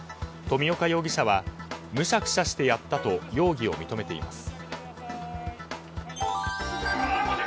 富岡容疑者はむしゃくしゃしてやったと容疑を認めています。